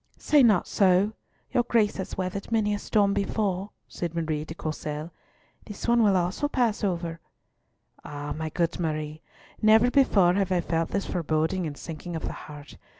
"Say not so; your Grace has weathered many a storm before," said Marie de Courcelles. "This one will also pass over." "Ah, my good Marie, never before have I felt this foreboding and sinking of the heart.